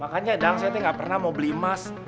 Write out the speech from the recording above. makanya dang saya tidak pernah mau beli emas